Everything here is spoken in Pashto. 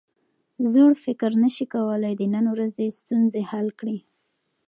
زوړ فکر نسي کولای د نن ورځې ستونزې حل کړي.